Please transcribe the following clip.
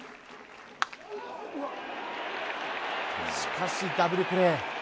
しかし、ダブルプレー。